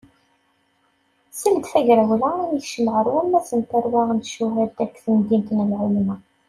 Seld tagrawla, yekcem ɣer wammas n tarwa n ccuhada deg temdint n Lɛelma.